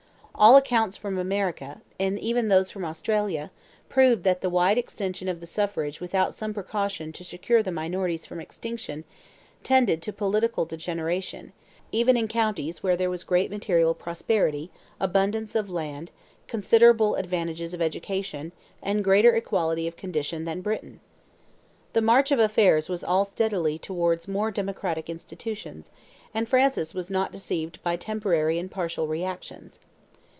All accounts from America, and even those from Australia, proved that the wide extension of the suffrage without some precaution to secure the minorities from extinction, tended to political degeneration, even in countries where there was great material prosperity, abundance of land, considerable advantages of education, and greater equality of condition than in Britain. The march of affairs was all steadily towards more democratic institutions, and Francis was not deceived by temporary and partial reactions.